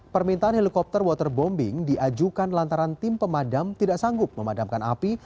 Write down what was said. permintaan helikopter waterbombing diajukan lantaran tim pemadam tidak sanggup memadamkan api